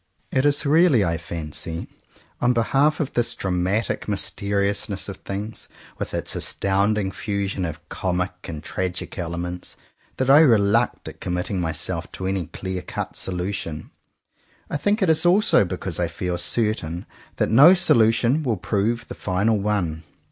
'' It is really, I fancy, on behalf of this dramatic mysteriousness of things, with its astounding fusion of comic and tragic elements, that I reluct at committing my self to any clear cut solution. I think it is also because I feel certain that no solu tion will prove the final one.